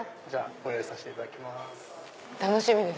ご用意させていただきます。